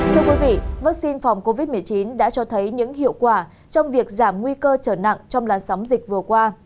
thưa quý vị vaccine phòng covid một mươi chín đã cho thấy những hiệu quả trong việc giảm nguy cơ trở nặng trong làn sóng dịch vừa qua